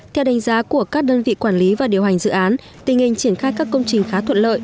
theo đánh giá của các đơn vị quản lý và điều hành dự án tình hình triển khai các công trình khá thuận lợi